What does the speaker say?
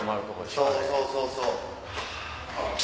そうそうそうそう。